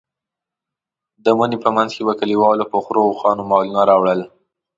د مني په منځ کې به کلیوالو په خرو او اوښانو مالونه راوړل.